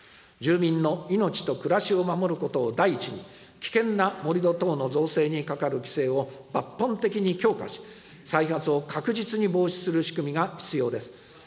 住民の命と暮らしを守ることを第一に、危険な盛り土等の造成にかかる規制を抜本的に強化し、再発を確実に防止する仕組みが必要です。